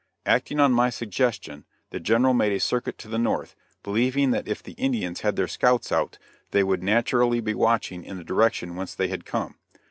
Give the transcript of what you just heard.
Acting on my suggestion, the General made a circuit to the north, believing that if the Indians had their scouts out, they would naturally be watching in the direction whence they had come.